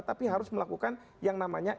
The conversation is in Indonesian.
tapi harus melakukan yang namanya